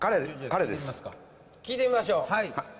聞いてみましょう。